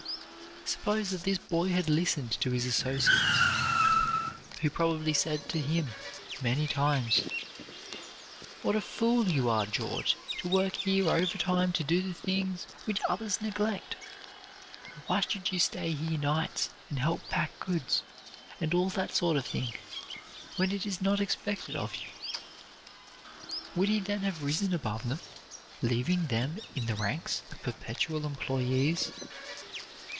Suppose that this boy had listened to his associates, who probably said to him, many times: "What a fool you are, George, to work here overtime to do the things which others neglect! Why should you stay here nights and help pack goods, and all that sort of thing, when it is not expected of you?" Would he then have risen above them, leaving them in the ranks of perpetual employees?